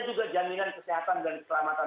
juga jaminan kesehatan dan keselamatan